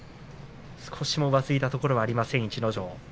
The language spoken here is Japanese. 少しも浮ついたところはありません、逸ノ城。